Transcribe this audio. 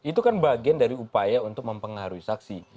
itu kan bagian dari upaya untuk mempengaruhi saksi